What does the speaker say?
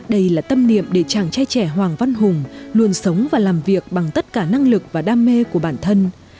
đây là tâm niệm để chàng trai trẻ hoàng văn hùng luôn sống và làm việc bằng tất cả năng lực và đam mê của bản thân